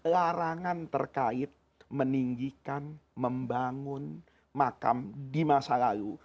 larangan terkait meninggikan membangun makam di masa lalu